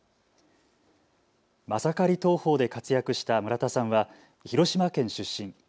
マサカリ投法で活躍した村田さんは広島県出身。